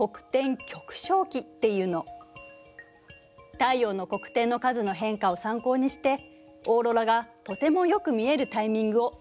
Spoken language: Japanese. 太陽の黒点の数の変化を参考にしてオーロラがとてもよく見えるタイミングを探ることができるのよ。